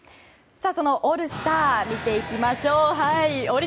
そのオールスター見ていきましょう。